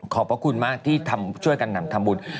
ขอบพระคุณมากที่ช่วยกันนำธรรมบุญ